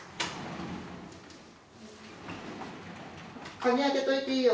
鍵開けといていいよ。